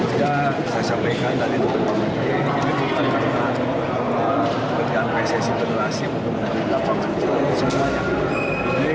kita saya sampaikan dari u dua puluh ini juga karena keberadaan pssi generasi